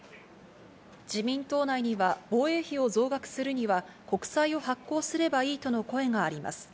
自民党内には、防衛費を増額するには、国債を発行すればいいとの声があります。